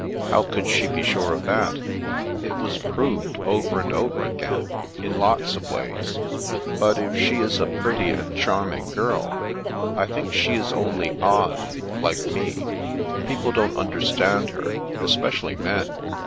" How could she be sure of that ?"" It was proved, over and over again, in lots of ways." " But if she is a pretty and charming girl "" I think she is only odd — ^like me. People don't understand her, especially men.